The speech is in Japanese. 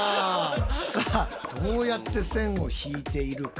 さあどうやって線を引いているか。